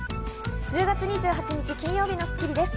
１０月２８日、金曜日の『スッキリ』です。